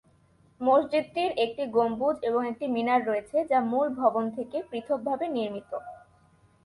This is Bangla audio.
মসজিদটির একটি গম্বুজ এবং একটি মিনার রয়েছে যা মূল ভবন থেকে পৃথকভাবে নির্মিত।